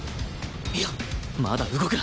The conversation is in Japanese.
いやまだ動くな！